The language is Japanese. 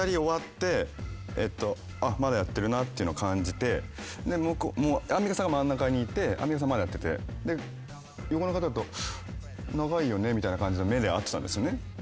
まだやってるなっていうのを感じてアンミカさんが真ん中にいてアンミカさんまだやっててで横の方と長いよねみたいな感じの目で合ってたんですよね。